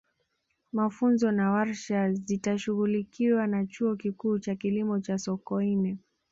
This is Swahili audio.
mafunzo na warsha zitashughulikiwa na chuo kikuu cha kilimo cha sokoine